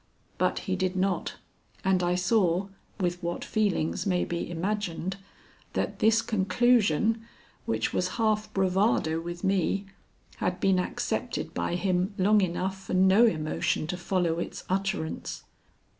But he did not, and I saw, with what feelings may be imagined, that this conclusion, which was half bravado with me, had been accepted by him long enough for no emotion to follow its utterance.